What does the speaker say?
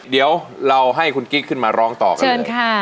เดี๋ยวเราให้คุณกิ๊กขึ้นมาร้องต่อกัน